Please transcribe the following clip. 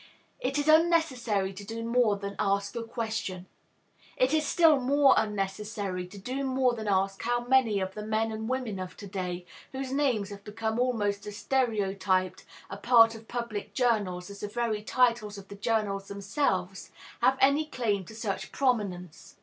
It is unnecessary to do more than ask the question. It is still more unnecessary to do more than ask how many of the men and women of to day, whose names have become almost as stereotyped a part of public journals as the very titles of the journals themselves, have any claim to such prominence.